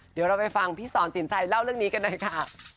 เดี๋ยวเราไปฟังพี่สอนสินชัยเล่าเรื่องนี้กันหน่อยค่ะ